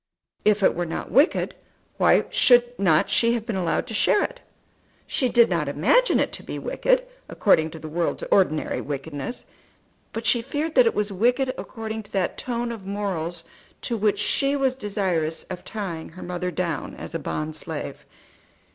If it were not wicked, why should not she have been allowed to share it? She did not imagine it to be wicked according to the world's ordinary wickedness; but she feared that it was wicked according to that tone of morals to which she was desirous of tying her mother down as a bond slave.